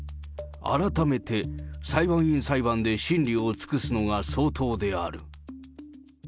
改めて裁判員裁判で審理を尽くすのが相当である。